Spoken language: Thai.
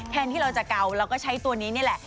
ที่เราจะเกาเราก็ใช้ตัวนี้นี่แหละ